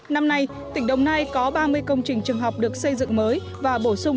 năm nay tỉnh đồng nai có ba mươi công trình trường học được xây dựng mới và bổ sung